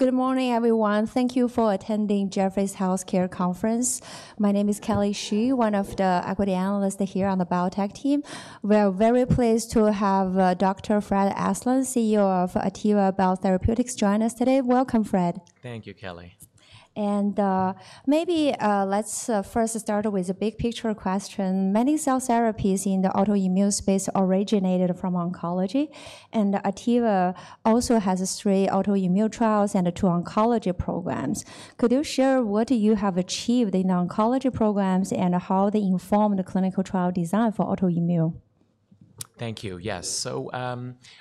Good morning, everyone. Thank you for attending Jeffrey's Healthcare Conference. My name is Kelly Xu, one of the equity analysts here on the Biotech team. We are very pleased to have Dr. Fred Aslan, CEO of Artiva Biotherapeutics, join us today. Welcome, Fred. Thank you, Kelly. Maybe let's first start with a big picture question. Many cell therapies in the autoimmune space originated from oncology, and Artiva also has three autoimmune trials and two oncology programs. Could you share what you have achieved in oncology programs and how they inform the clinical trial design for autoimmune? Thank you. Yes.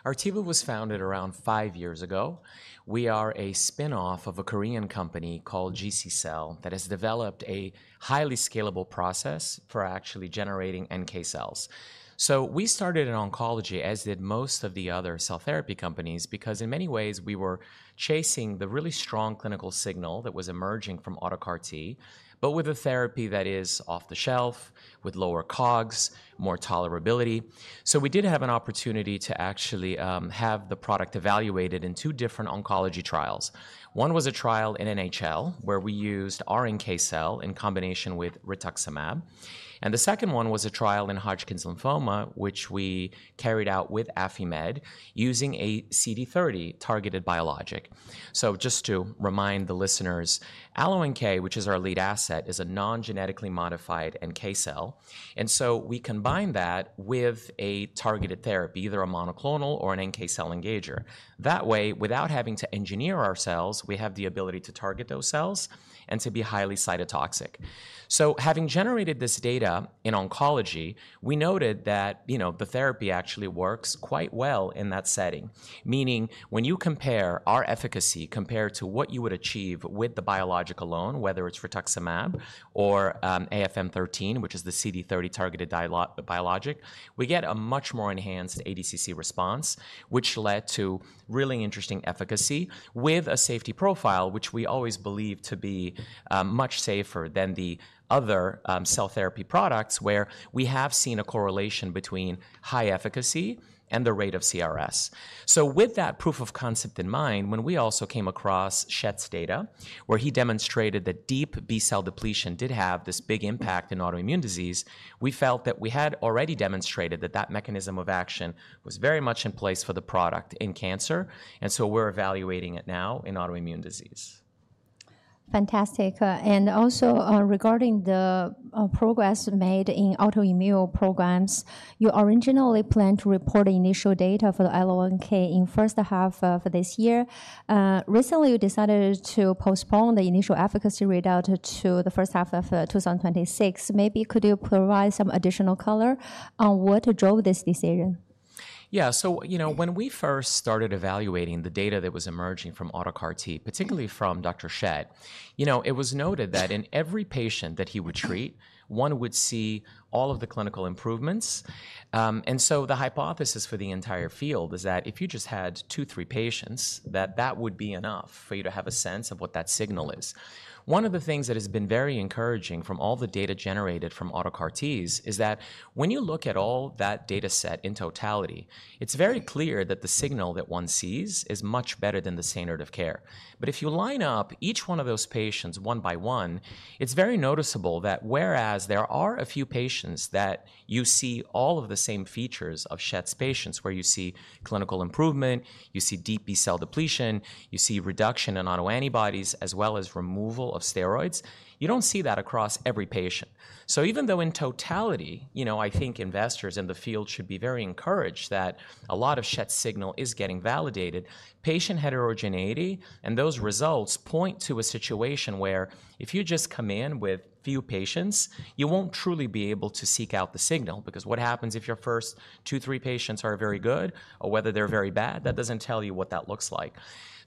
Artiva was founded around five years ago. We are a spinoff of a Korean company called GC Cell that has developed a highly scalable process for actually generating NK cells. We started in oncology, as did most of the other cell therapy companies, because in many ways, we were chasing the really strong clinical signal that was emerging from Auto CAR-T, but with a therapy that is off the shelf, with lower COGS, more tolerability. We did have an opportunity to actually have the product evaluated in two different oncology trials. One was a trial in NHL, where we used our NK cell in combination with rituximab. The second one was a trial in Hodgkin's lymphoma, which we carried out with Affimed using a CD30 targeted biologic. Just to remind the listeners, AlloNK, which is our lead asset, is a non-genetically modified NK cell. We combine that with a targeted therapy, either a monoclonal or an NK cell engager. That way, without having to engineer our cells, we have the ability to target those cells and to be highly cytotoxic. Having generated this data in oncology, we noted that the therapy actually works quite well in that setting, meaning when you compare our efficacy compared to what you would achieve with the biologic alone, whether it is rituximab or AFM13, which is the CD30 targeted biologic, we get a much more enhanced ADCC response, which led to really interesting efficacy with a safety profile, which we always believe to be much safer than the other cell therapy products where we have seen a correlation between high efficacy and the rate of CRS. With that proof of concept in mind, when we also came across Schett's data, where he demonstrated that deep B cell depletion did have this big impact in autoimmune disease, we felt that we had already demonstrated that that mechanism of action was very much in place for the product in cancer. And so we're evaluating it now in autoimmune disease. Fantastic. Also regarding the progress made in autoimmune programs, you originally planned to report the initial data for the AlloNK in the first half of this year. Recently, you decided to postpone the initial efficacy readout to the first half of 2026. Maybe could you provide some additional color on what drove this decision? Yeah. When we first started evaluating the data that was emerging from Auto CAR-T, particularly from Dr. Schett, it was noted that in every patient that he would treat, one would see all of the clinical improvements. The hypothesis for the entire field is that if you just had two, three patients, that that would be enough for you to have a sense of what that signal is. One of the things that has been very encouraging from all the data generated from Auto CAR-T is that when you look at all that data set in totality, it is very clear that the signal that one sees is much better than the standard of care. If you line up each one of those patients one by one, it's very noticeable that whereas there are a few patients that you see all of the same features of Schett's patients, where you see clinical improvement, you see deep B cell depletion, you see reduction in autoantibodies, as well as removal of steroids, you don't see that across every patient. Even though in totality, I think investors in the field should be very encouraged that a lot of Schett's signal is getting validated, patient heterogeneity and those results point to a situation where if you just come in with few patients, you won't truly be able to seek out the signal, because what happens if your first two, three patients are very good, or whether they're very bad, that doesn't tell you what that looks like.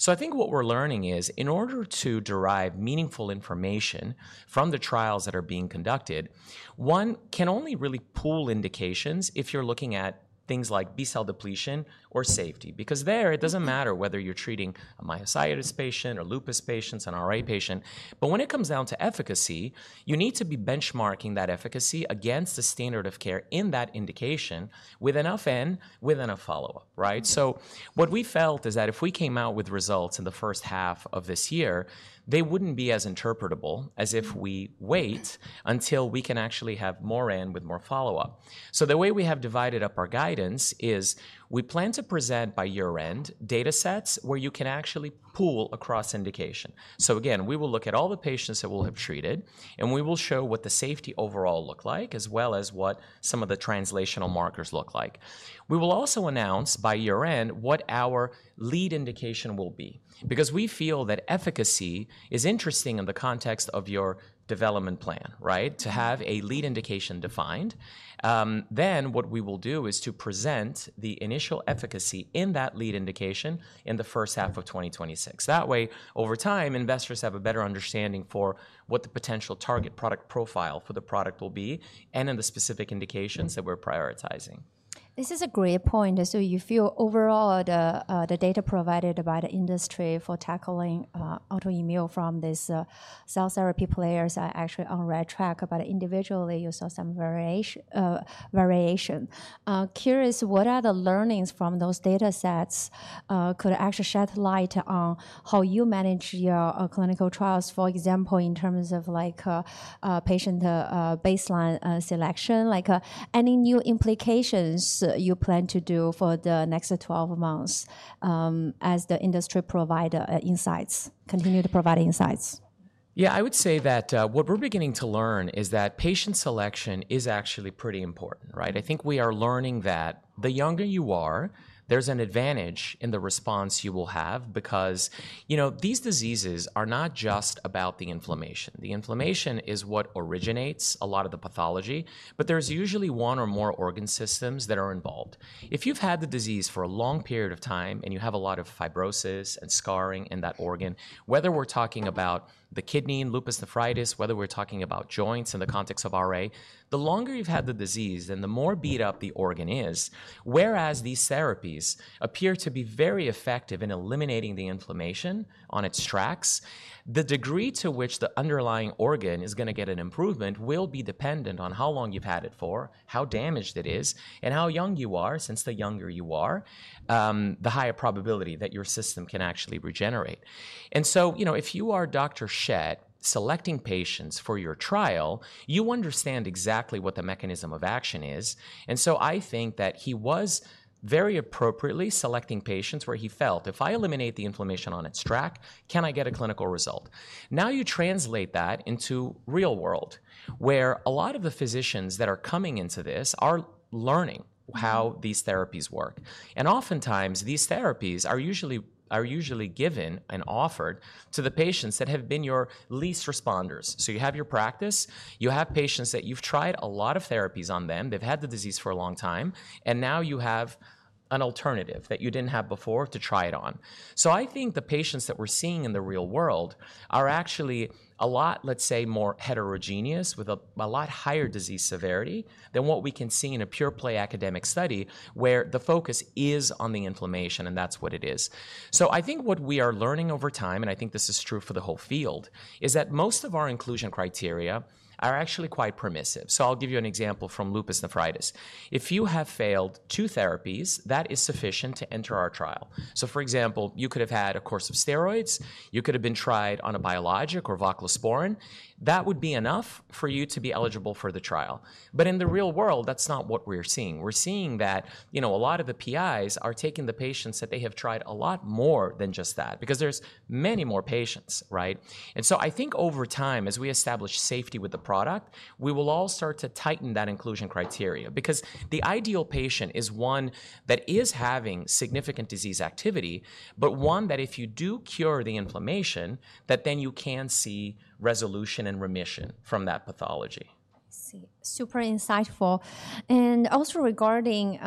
I think what we're learning is in order to derive meaningful information from the trials that are being conducted, one can only really pool indications if you're looking at things like B cell depletion or safety, because there it doesn't matter whether you're treating a myositis patient or lupus patients, an RA patient, but when it comes down to efficacy, you need to be benchmarking that efficacy against the standard of care in that indication with enough N, with enough follow-up. What we felt is that if we came out with results in the first half of this year, they wouldn't be as interpretable as if we wait until we can actually have more N with more follow-up. The way we have divided up our guidance is we plan to present by year-end data sets where you can actually pool across indication. Again, we will look at all the patients that we'll have treated, and we will show what the safety overall look like, as well as what some of the translational markers look like. We will also announce by year-end what our lead indication will be, because we feel that efficacy is interesting in the context of your development plan, to have a lead indication defined. What we will do is to present the initial efficacy in that lead indication in the first half of 2026. That way, over time, investors have a better understanding for what the potential target product profile for the product will be and in the specific indications that we're prioritizing. This is a great point. You feel overall the data provided by the industry for tackling autoimmune from these cell therapy players are actually on the right track, but individually you saw some variation. Curious, what are the learnings from those data sets that could actually shed light on how you manage your clinical trials, for example, in terms of patient baseline selection? Any new implications you plan to do for the next 12 months as the industry provider insights, continue to provide insights? Yeah, I would say that what we're beginning to learn is that patient selection is actually pretty important. I think we are learning that the younger you are, there's an advantage in the response you will have, because these diseases are not just about the inflammation. The inflammation is what originates a lot of the pathology, but there's usually one or more organ systems that are involved. If you've had the disease for a long period of time and you have a lot of fibrosis and scarring in that organ, whether we're talking about the kidney in lupus nephritis, whether we're talking about joints in the context of RA, the longer you've had the disease and the more beat up the organ is, whereas these therapies appear to be very effective in eliminating the inflammation on its tracks, the degree to which the underlying organ is going to get an improvement will be dependent on how long you've had it for, how damaged it is, and how young you are. Since the younger you are, the higher probability that your system can actually regenerate. If you are Dr. Schett selecting patients for your trial, you understand exactly what the mechanism of action is. I think that he was very appropriately selecting patients where he felt, if I eliminate the inflammation on its track, can I get a clinical result? You translate that into real world, where a lot of the physicians that are coming into this are learning how these therapies work. Oftentimes, these therapies are usually given and offered to the patients that have been your least responders. You have your practice, you have patients that you've tried a lot of therapies on, they've had the disease for a long time, and now you have an alternative that you didn't have before to try it on. I think the patients that we're seeing in the real world are actually a lot, let's say, more heterogeneous with a lot higher disease severity than what we can see in a pure play academic study where the focus is on the inflammation and that's what it is. I think what we are learning over time, and I think this is true for the whole field, is that most of our inclusion criteria are actually quite permissive. I'll give you an example from lupus nephritis. If you have failed two therapies, that is sufficient to enter our trial. For example, you could have had a course of steroids, you could have been tried on a biologic or voclosporin, that would be enough for you to be eligible for the trial. In the real world, that's not what we're seeing. We're seeing that a lot of the PIs are taking the patients that they have tried a lot more than just that, because there's many more patients. I think over time, as we establish safety with the product, we will all start to tighten that inclusion criteria, because the ideal patient is one that is having significant disease activity, but one that if you do cure the inflammation, then you can see resolution and remission from that pathology. I see. Super insightful. Also regarding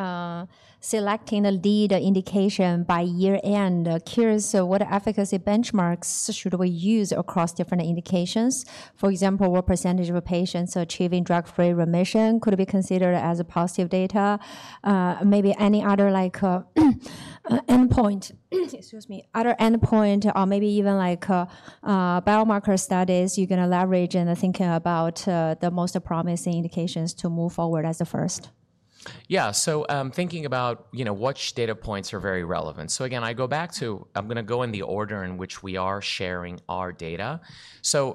selecting the lead indication by year-end, curious, what efficacy benchmarks should we use across different indications? For example, what % of patients are achieving drug-free remission could be considered as positive data? Maybe any other endpoint, excuse me, other endpoint, or maybe even biomarker studies you're going to leverage in thinking about the most promising indications to move forward as the first? Yeah. Thinking about which data points are very relevant. Again, I go back to, I'm going to go in the order in which we are sharing our data.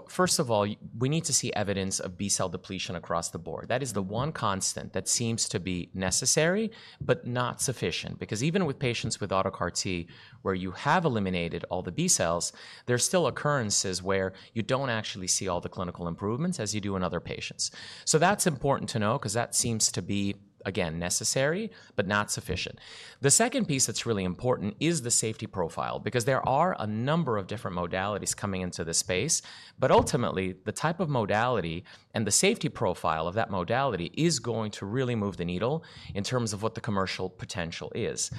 First of all, we need to see evidence of B cell depletion across the board. That is the one constant that seems to be necessary, but not sufficient, because even with patients with Auto CAR-T where you have eliminated all the B cells, there are still occurrences where you do not actually see all the clinical improvements as you do in other patients. That is important to know, because that seems to be, again, necessary, but not sufficient. The second piece that's really important is the safety profile, because there are a number of different modalities coming into this space, but ultimately, the type of modality and the safety profile of that modality is going to really move the needle in terms of what the commercial potential is.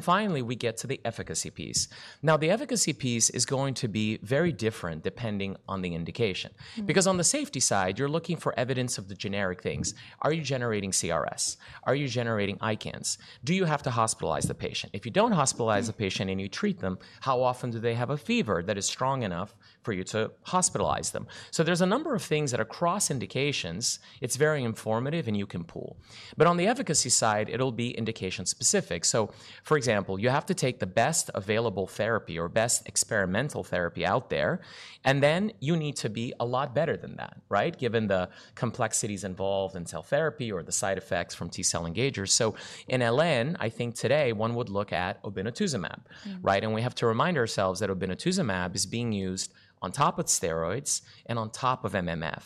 Finally, we get to the efficacy piece. Now, the efficacy piece is going to be very different depending on the indication, because on the safety side, you're looking for evidence of the generic things. Are you generating CRS? Are you generating ICANS? Do you have to hospitalize the patient? If you don't hospitalize the patient and you treat them, how often do they have a fever that is strong enough for you to hospitalize them? There are a number of things that are cross indications. It's very informative and you can pool. On the efficacy side, it'll be indication specific. For example, you have to take the best available therapy or best experimental therapy out there, and then you need to be a lot better than that, given the complexities involved in cell therapy or the side effects from T cell engagers. In LN, I think today one would look at obinutuzumab. We have to remind ourselves that obinutuzumab is being used on top of steroids and on top of MMF.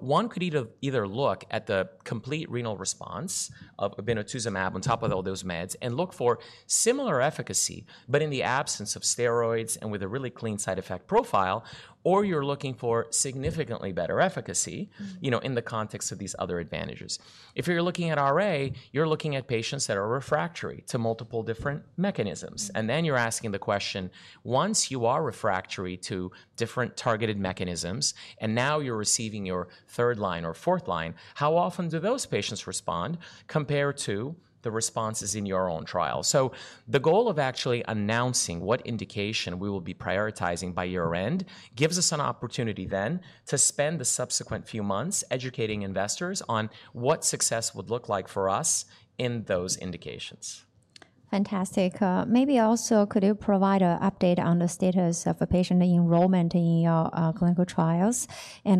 One could either look at the complete renal response of obinutuzumab on top of all those meds and look for similar efficacy, but in the absence of steroids and with a really clean side effect profile, or you're looking for significantly better efficacy in the context of these other advantages. If you're looking at RA, you're looking at patients that are refractory to multiple different mechanisms. You're asking the question, once you are refractory to different targeted mechanisms, and now you're receiving your third line or fourth line, how often do those patients respond compared to the responses in your own trial? The goal of actually announcing what indication we will be prioritizing by year-end gives us an opportunity then to spend the subsequent few months educating investors on what success would look like for us in those indications. Fantastic. Maybe also could you provide an update on the status of patient enrollment in your clinical trials?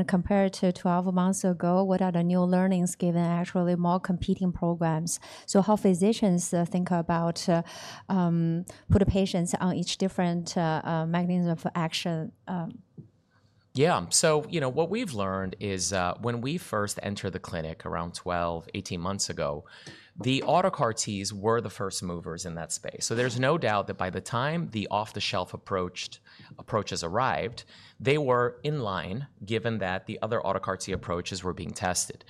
Compared to 12 months ago, what are the new learnings given actually more competing programs? How do physicians think about putting patients on each different mechanism of action? Yeah. What we've learned is when we first entered the clinic around 12-18 months ago, the Auto CAR-Ts were the first movers in that space. There is no doubt that by the time the off-the-shelf approaches arrived, they were in line, given that the other Auto CAR-T approaches were being tested.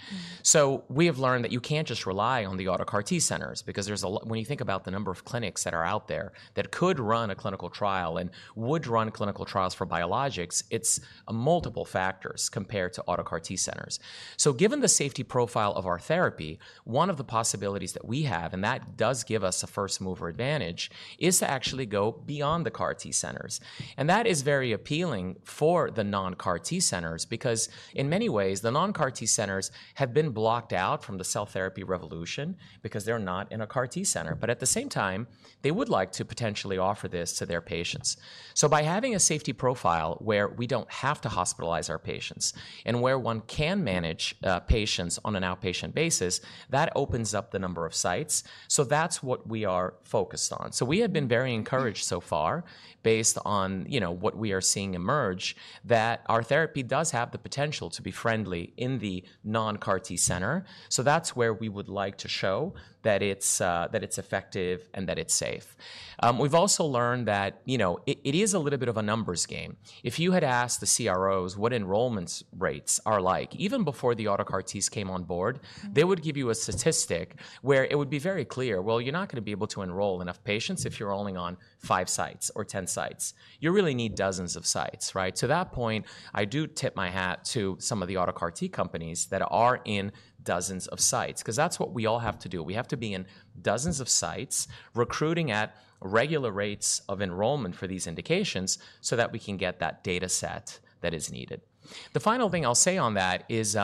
We have learned that you can't just rely on the Auto CAR-T centers, because when you think about the number of clinics that are out there that could run a clinical trial and would run clinical trials for biologics, it's multiple factors compared to Auto CAR-T centers. Given the safety profile of our therapy, one of the possibilities that we have, and that does give us a first mover advantage, is to actually go beyond the CAR-T centers. That is very appealing for the non-CAR-T centers, because in many ways, the non-CAR-T centers have been blocked out from the cell therapy revolution because they're not in a CAR-T center. At the same time, they would like to potentially offer this to their patients. By having a safety profile where we don't have to hospitalize our patients and where one can manage patients on an outpatient basis, that opens up the number of sites. That is what we are focused on. We have been very encouraged so far based on what we are seeing emerge that our therapy does have the potential to be friendly in the non-CAR-T center. That is where we would like to show that it's effective and that it's safe. We've also learned that it is a little bit of a numbers game. If you had asked the CROs what enrollment rates are like, even before the Auto CAR-Ts came on board, they would give you a statistic where it would be very clear, well, you're not going to be able to enroll enough patients if you're only on five sites or 10 sites. You really need dozens of sites. To that point, I do tip my hat to some of the Auto CAR-T companies that are in dozens of sites, because that's what we all have to do. We have to be in dozens of sites recruiting at regular rates of enrollment for these indications so that we can get that data set that is needed. The final thing I'll say on that is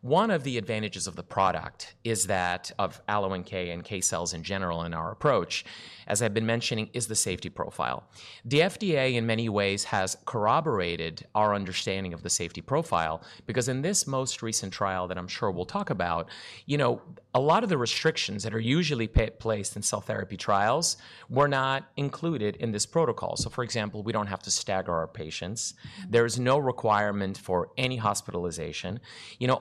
one of the advantages of the product is that of AlloNK and NK cells in general in our approach, as I've been mentioning, is the safety profile. The FDA in many ways has corroborated our understanding of the safety profile, because in this most recent trial that I'm sure we'll talk about, a lot of the restrictions that are usually placed in cell therapy trials were not included in this protocol. For example, we don't have to stagger our patients. There is no requirement for any hospitalization.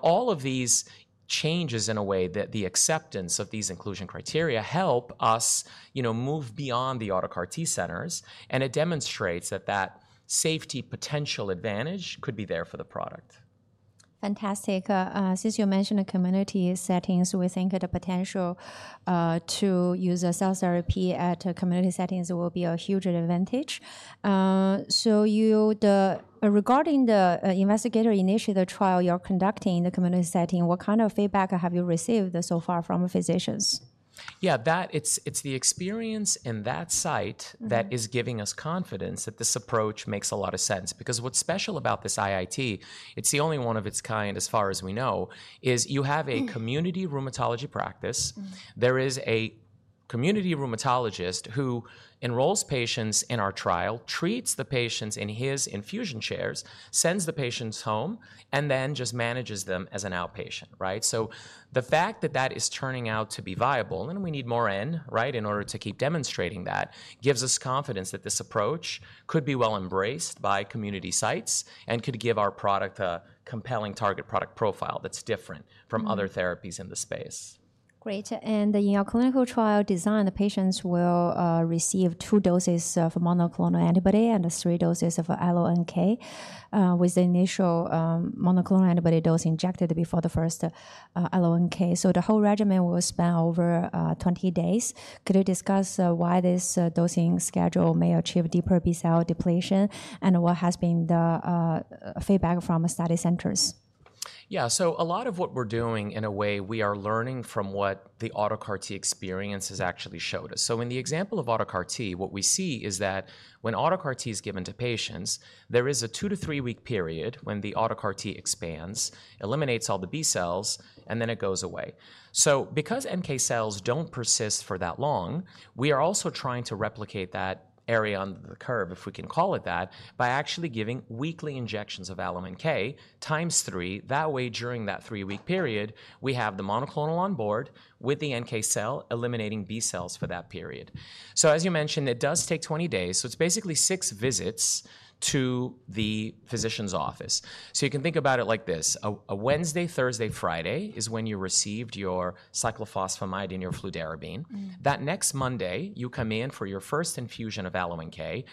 All of these changes in a way that the acceptance of these inclusion criteria help us move beyond the Auto CAR-T centers, and it demonstrates that that safety potential advantage could be there for the product. Fantastic. Since you mentioned the community settings, we think the potential to use cell therapy at community settings will be a huge advantage. Regarding the investigator-initiated trial you're conducting in the community setting, what kind of feedback have you received so far from physicians? Yeah, it's the experience in that site that is giving us confidence that this approach makes a lot of sense, because what's special about this IIT, it's the only one of its kind as far as we know, is you have a community rheumatology practice. There is a community rheumatologist who enrolls patients in our trial, treats the patients in his infusion chairs, sends the patients home, and then just manages them as an outpatient. The fact that that is turning out to be viable, and we need more N in order to keep demonstrating that, gives us confidence that this approach could be well embraced by community sites and could give our product a compelling target product profile that's different from other therapies in the space. Great. In your clinical trial design, the patients will receive two doses of monoclonal antibody and three doses of AlloNK with the initial monoclonal antibody dose injected before the first AlloNK. The whole regimen will span over 20 days. Could you discuss why this dosing schedule may achieve deeper B cell depletion and what has been the feedback from study centers? Yeah. A lot of what we're doing, in a way, we are learning from what the Auto CAR-T experience has actually showed us. In the example of Auto CAR-T, what we see is that when Auto CAR-T is given to patients, there is a two- to three-week period when the Auto CAR-T expands, eliminates all the B cells, and then it goes away. Because NK cells don't persist for that long, we are also trying to replicate that area on the curve, if we can call it that, by actually giving weekly injections of AlloNK times three. That way, during that three-week period, we have the monoclonal on board with the NK cell eliminating B cells for that period. As you mentioned, it does take 20 days. It's basically six visits to the physician's office. You can think about it like this: a Wednesday, Thursday, Friday is when you received your cyclophosphamide and your fludarabine. That next Monday, you come in for your first infusion of AlloNK.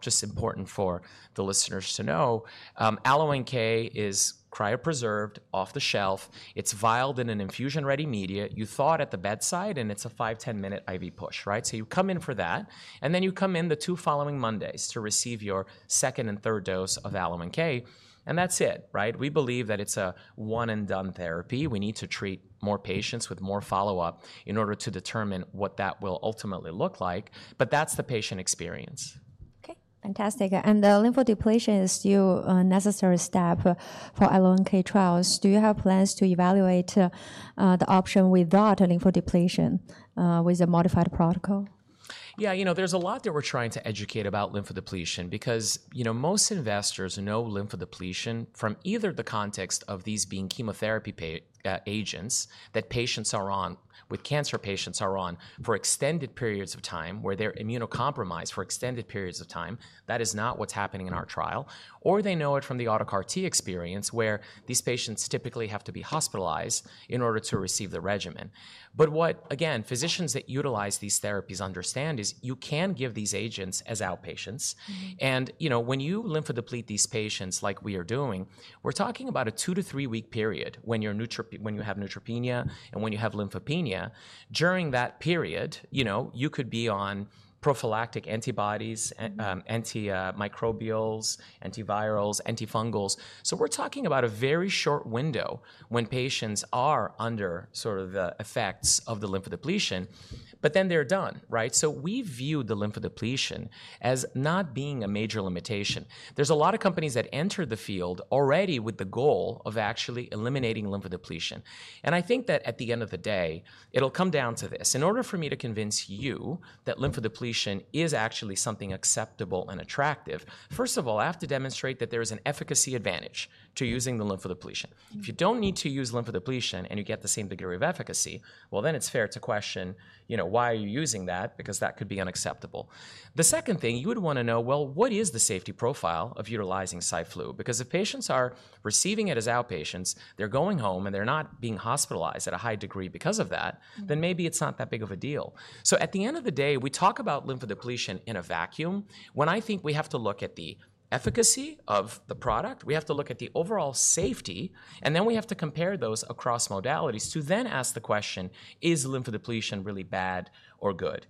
Just important for the listeners to know, AlloNK is cryopreserved, off the shelf. It is vialed in an infusion-ready media. You thaw it at the bedside, and it is a 5, 10-minute IV push. You come in for that, and then you come in the two following Mondays to receive your second and third dose of AlloNK, and that is it. We believe that it is a one-and-done therapy. We need to treat more patients with more follow-up in order to determine what that will ultimately look like, but that is the patient experience. OK, fantastic. The lymphodepletion is still a necessary step for AlloNK trials. Do you have plans to evaluate the option without lymphodepletion with a modified protocol? Yeah. There's a lot that we're trying to educate about lymphodepletion, because most investors know lymphodepletion from either the context of these being chemotherapy agents that patients are on, with cancer patients are on, for extended periods of time where they're immunocompromised for extended periods of time. That is not what's happening in our trial, or they know it from the Auto CAR-T experience where these patients typically have to be hospitalized in order to receive the regimen. What, again, physicians that utilize these therapies understand is you can give these agents as outpatients. When you lymphodeplete these patients like we are doing, we're talking about a two- to three-week period when you have neutropenia and when you have lymphopenia. During that period, you could be on prophylactic antibodies, antimicrobials, antivirals, antifungals. We're talking about a very short window when patients are under the effects of the lymphodepletion, but then they're done. We view the lymphodepletion as not being a major limitation. There's a lot of companies that enter the field already with the goal of actually eliminating lymphodepletion. I think that at the end of the day, it'll come down to this. In order for me to convince you that lymphodepletion is actually something acceptable and attractive, first of all, I have to demonstrate that there is an efficacy advantage to using the lymphodepletion. If you don't need to use lymphodepletion and you get the same degree of efficacy, then it's fair to question, why are you using that? Because that could be unacceptable. The second thing, you would want to know, what is the safety profile of utilizing CyFlu? Because if patients are receiving it as outpatients, they're going home, and they're not being hospitalized at a high degree because of that, then maybe it's not that big of a deal. At the end of the day, we talk about lymphodepletion in a vacuum. When I think we have to look at the efficacy of the product, we have to look at the overall safety, and then we have to compare those across modalities to then ask the question, is lymphodepletion really bad or good?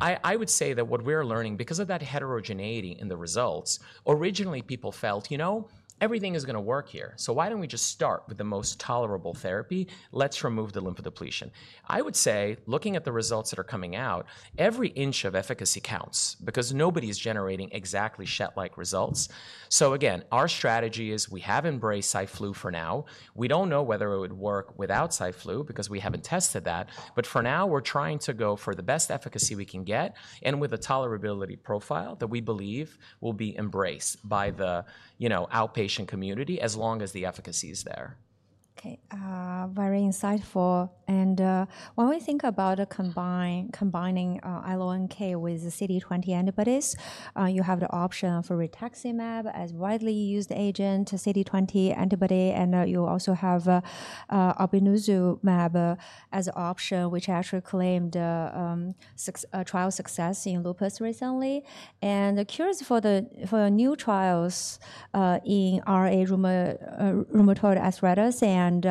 I would say that what we're learning, because of that heterogeneity in the results, originally people felt, you know, everything is going to work here. So why don't we just start with the most tolerable therapy? Let's remove the lymphodepletion. I would say, looking at the results that are coming out, every inch of efficacy counts, because nobody is generating exactly shed-like results. Again, our strategy is we have embraced CyFlu for now. We do not know whether it would work without CyFlu because we have not tested that. For now, we are trying to go for the best efficacy we can get and with a tolerability profile that we believe will be embraced by the outpatient community as long as the efficacy is there. OK, very insightful. When we think about combining AlloNK with CD20 antibodies, you have the option for rituximab as a widely used agent, CD20 antibody. You also have obinutuzumab as an option, which actually claimed trial success in lupus recently. Curious for the new trials in RA, rheumatoid arthritis, and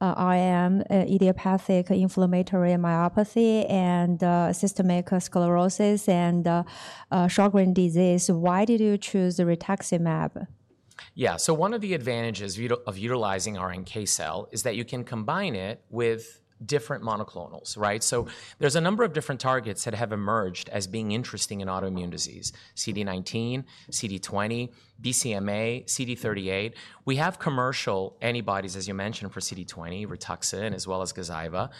RM, idiopathic inflammatory myopathy, and systemic sclerosis, and Sjogren's disease. Why did you choose the rituximab? Yeah. One of the advantages of utilizing NK cell is that you can combine it with different monoclonals. There are a number of different targets that have emerged as being interesting in autoimmune disease: CD19, CD20, BCMA, CD38. We have commercial antibodies, as you mentioned, for CD20, Rituxan, as well as Gazyva.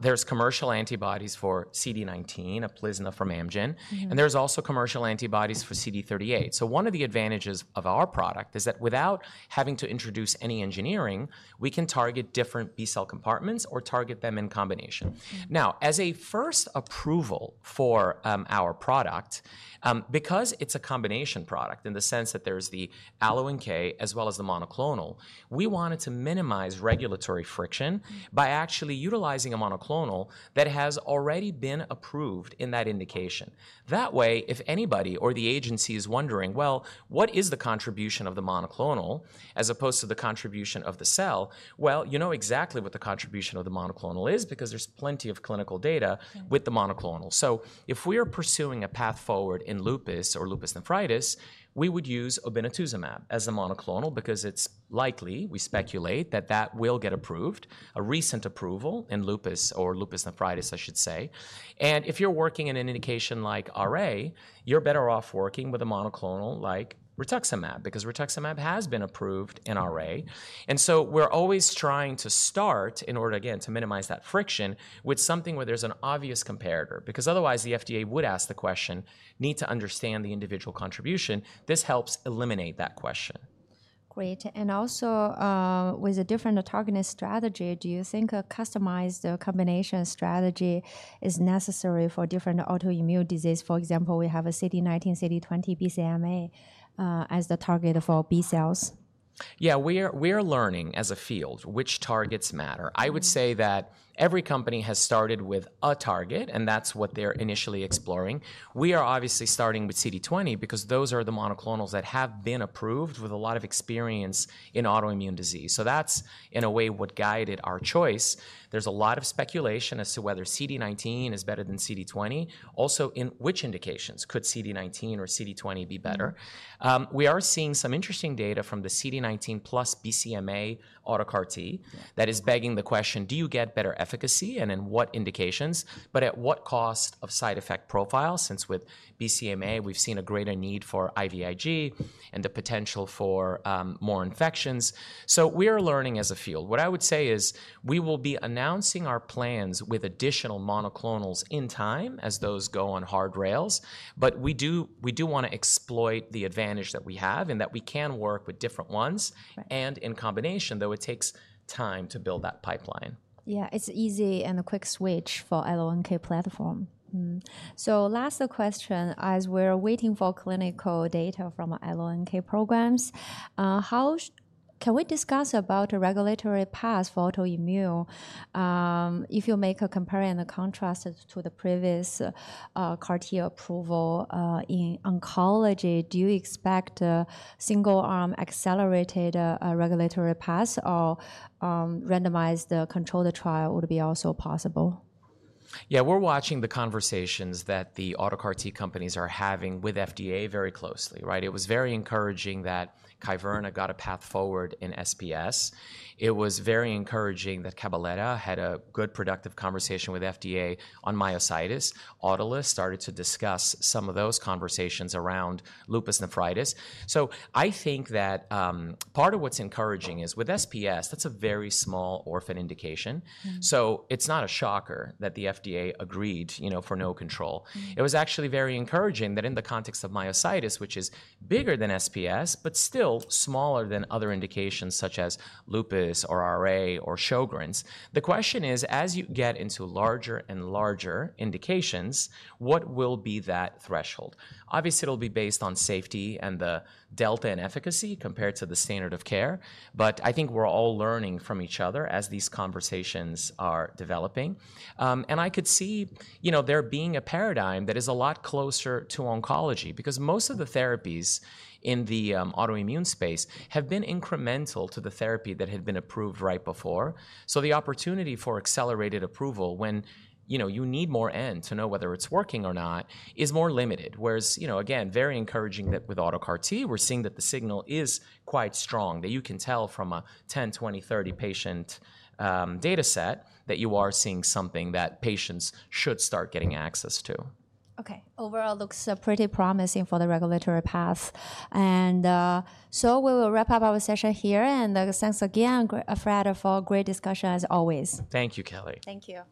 There are commercial antibodies for CD19, a plasma from Amgen. There are also commercial antibodies for CD38. One of the advantages of our product is that without having to introduce any engineering, we can target different B cell compartments or target them in combination. Now, as a first approval for our product, because it is a combination product in the sense that there is the AlloNK as well as the monoclonal, we wanted to minimize regulatory friction by actually utilizing a monoclonal that has already been approved in that indication. That way, if anybody or the agency is wondering, well, what is the contribution of the monoclonal as opposed to the contribution of the cell? You know exactly what the contribution of the monoclonal is, because there is plenty of clinical data with the monoclonal. If we are pursuing a path forward in lupus or lupus nephritis, we would use obinutuzumab as the monoclonal because it is likely, we speculate, that that will get approved, a recent approval in lupus or lupus nephritis, I should say. If you are working in an indication like RA, you are better off working with a monoclonal like rituximab, because rituximab has been approved in RA. We are always trying to start in order, again, to minimize that friction with something where there is an obvious comparator, because otherwise the FDA would ask the question, need to understand the individual contribution. This helps eliminate that question. Great. Also, with a different autogenous strategy, do you think a customized combination strategy is necessary for different autoimmune disease? For example, we have CD19, CD20, BCMA as the target for B cells. Yeah, we are learning as a field which targets matter. I would say that every company has started with a target, and that's what they're initially exploring. We are obviously starting with CD20 because those are the monoclonals that have been approved with a lot of experience in autoimmune disease. That is, in a way, what guided our choice. There's a lot of speculation as to whether CD19 is better than CD20. Also, in which indications could CD19 or CD20 be better? We are seeing some interesting data from the CD19 plus BCMA Auto CAR-T that is begging the question, do you get better efficacy and in what indications, but at what cost of side effect profile? Since with BCMA, we've seen a greater need for IVIG and the potential for more infections. We are learning as a field. What I would say is we will be announcing our plans with additional monoclonals in time as those go on hard rails, but we do want to exploit the advantage that we have and that we can work with different ones. In combination, though, it takes time to build that pipeline. Yeah, it's easy and a quick switch for AlloNK platform. So last question, as we're waiting for clinical data from AlloNK programs, can we discuss about the regulatory path for autoimmune? If you make a compare and a contrast to the previous CAR-T approval in oncology, do you expect a single-arm accelerated regulatory path or randomized controller trial would be also possible? Yeah, we're watching the conversations that the Auto CAR-T companies are having with FDA very closely. It was very encouraging that Kyverna got a path forward in SPS. It was very encouraging that Cabaletta had a good productive conversation with FDA on myositis. Autolus started to discuss some of those conversations around lupus nephritis. I think that part of what's encouraging is with SPS, that's a very small orphan indication. It's not a shocker that the FDA agreed for no control. It was actually very encouraging that in the context of myositis, which is bigger than SPS but still smaller than other indications such as lupus or RA or Sjogren's, the question is, as you get into larger and larger indications, what will be that threshold? Obviously, it'll be based on safety and the delta in efficacy compared to the standard of care. I think we're all learning from each other as these conversations are developing. I could see there being a paradigm that is a lot closer to oncology, because most of the therapies in the autoimmune space have been incremental to the therapy that had been approved right before. The opportunity for accelerated approval when you need more N to know whether it's working or not is more limited. Again, very encouraging that with Auto CAR-T, we're seeing that the signal is quite strong. You can tell from a 10, 20, 30 patient data set that you are seeing something that patients should start getting access to. OK, overall looks pretty promising for the regulatory path. We will wrap up our session here. Thanks again, Fred, for a great discussion as always. Thank you, Kelly. Thank you.